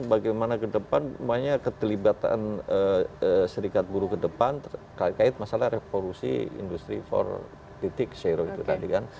bagaimana ke depan banyak keterlibatan serikat buruh ke depan terkait masalah revolusi industri empat itu tadi kan